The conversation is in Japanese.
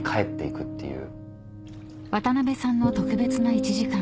［渡部さんの特別な１時間］